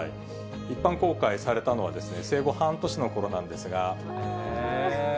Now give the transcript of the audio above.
一般公開されたのは生後半年のころなんですが。